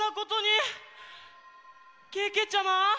けけちゃま！